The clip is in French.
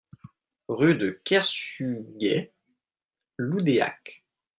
Rue de Kersuguet, Loudéac